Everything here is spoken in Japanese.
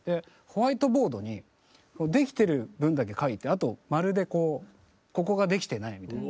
ホワイトボードにできてる分だけ書いてあと「○」でこう「ここができてない」みたいな。